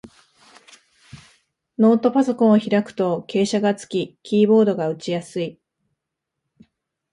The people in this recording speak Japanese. ノートパソコンを開くと傾斜がつき、キーボードが打ちやすい